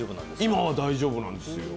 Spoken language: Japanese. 今は大丈夫なんですよ